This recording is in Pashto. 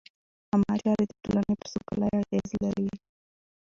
عامه چارې د ټولنې پر سوکالۍ اغېز لري.